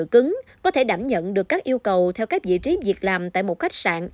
cứng có thể đảm nhận được các yêu cầu theo các vị trí việc làm tại một khách sạn